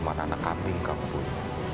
bukan cuma anak kambing kamu pun